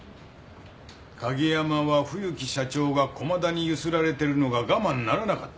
景山は冬木社長が駒田にゆすられてるのが我慢ならなかった。